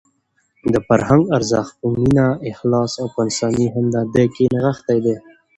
د فرهنګ ارزښت په مینه، اخلاص او په انساني همدردۍ کې نغښتی دی.